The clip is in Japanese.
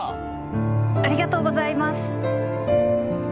ありがとうございます。